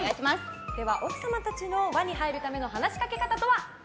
奥様たちの輪に入るための話しかけ方とは？